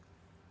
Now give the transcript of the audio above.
jadi dari utara